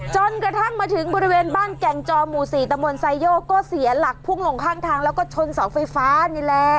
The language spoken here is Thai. จนกระทั่งมาถึงบริเวณบ้านแก่งจอหมู่๔ตะมนต์ไซโยกก็เสียหลักพุ่งลงข้างทางแล้วก็ชนเสาไฟฟ้านี่แหละ